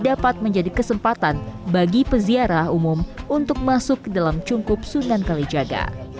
dapat menjadi kesempatan bagi peziarah umum untuk masuk ke dalam cungkup sunan kalijaga